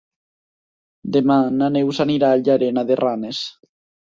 Demà na Neus anirà a Llanera de Ranes.